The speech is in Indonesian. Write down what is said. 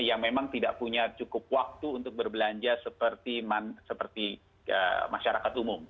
yang memang tidak punya cukup waktu untuk berbelanja seperti masyarakat umum